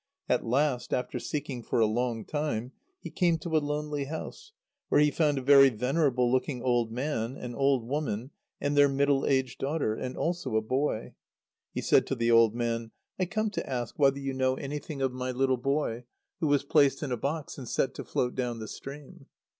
At last, after seeking for a long time, he came to a lonely house, where he found a very venerable looking old man, an old woman, and their middle aged daughter, and also a boy. He said to the old man: "I come to ask whether you know anything of my little boy, who was placed in a box and set to float down the stream."